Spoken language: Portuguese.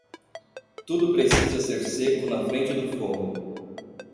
Tudo precisa ser seco na frente do fogo.